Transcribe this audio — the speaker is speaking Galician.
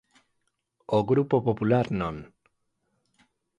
O Grupo Popular non.